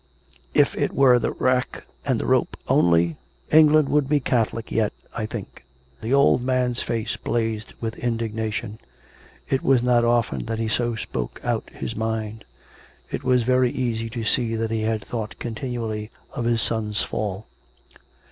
If it were the rack and the rope only, England would be Catholic, yet, I think." The old man's face blazed with indignation; it was not often that he so spoke out his mind. It was very easy to see that he had thought continually of his son's fall.